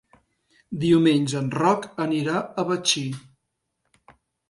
Diumenge en Roc anirà a Betxí.